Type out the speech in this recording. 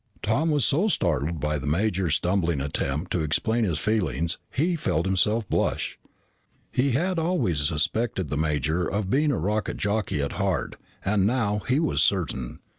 Tom was so startled by the major's stumbling attempt to explain his feelings, he felt himself blush. He had always suspected the major of being a rocket jockey at heart and now he was certain.